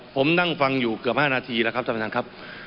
ผมนั่งฟังอยู่เกือบ๕นาทีแล้วครับท่านประธานครับ